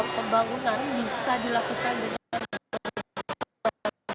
pembangunan bisa dilakukan dengan